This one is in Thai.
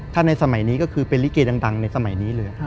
ถ้าในสมัยนี้ก็คือเป็นลิเกดังในสมัยนี้เลย